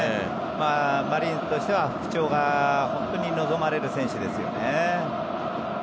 マリーンズとしては復調が本当に望まれる選手ですよね。